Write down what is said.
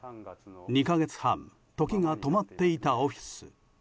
２か月半時が止まっていたオフィス。